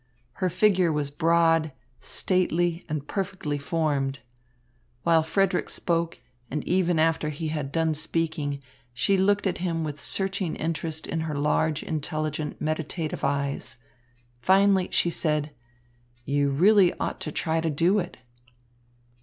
Her figure was broad, stately, and perfectly formed. While Frederick spoke, and even after he had done speaking, she looked at him with searching interest in her large, intelligent, meditative eyes. Finally she said: "You really ought to try to do it."